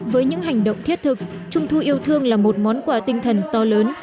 với những hành động thiết thực trung thu yêu thương là một món quà tinh thần to lớn